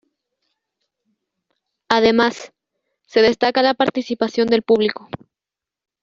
Además, se destaca la participación del público.